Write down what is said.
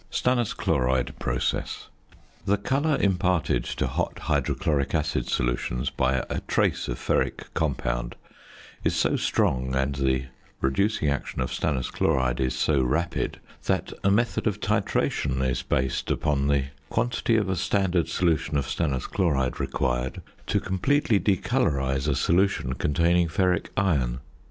STANNOUS CHLORIDE PROCESS. The colour imparted to hot hydrochloric acid solutions by a trace of a ferric compound is so strong, and the reducing action of stannous chloride is so rapid, that a method of titration is based upon the quantity of a standard solution of stannous chloride required to completely decolorise a solution containing ferric iron.